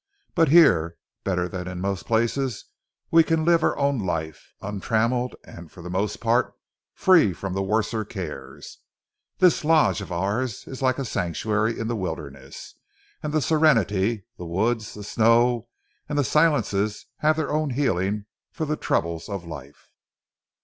But here, better than in most places, we can live our own life, untrammelled, and for the most part free from the worser cares. This lodge of ours is like a sanctuary in the wilderness, and the serenity, the woods, the snow and the silences have their own healing for the troubles of life."